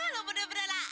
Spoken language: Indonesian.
lo bener bener lah